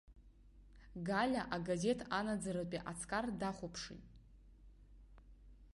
Галиа агазеҭ анаӡаратәи аҵкар днахәаԥшит.